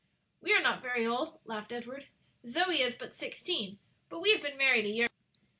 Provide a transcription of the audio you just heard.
"We are not very old," laughed Edward; "Zoe is but sixteen, but we have been married a year."